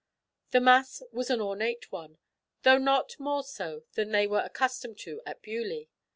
The mass was an ornate one, though not more so than they were accustomed to at Beaulieu.